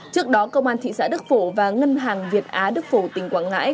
trước đó công an thị xã đức phổ và ngân hàng việt á đức phổ tỉnh quảng ngãi